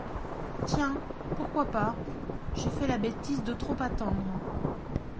Tiens ! pourquoi pas ?… J'ai fait la bêtise de trop attendre.